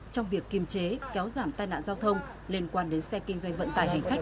trong việc kiềm chế kéo giảm tai nạn giao thông liên quan đến xe kinh doanh vận tải hành khách